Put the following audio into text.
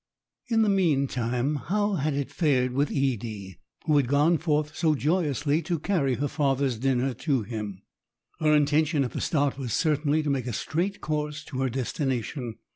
In the meantime, how had it fared with Edie, who had gone forth so joyously to carry her father's dinner to him? Her intention at the start was certainly to make a straight course to her destination.